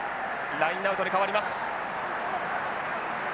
ラインアウトに変わります。